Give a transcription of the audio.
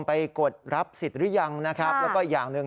กดรับสิทธิ์หรือยังนะครับแล้วก็อีกอย่างหนึ่ง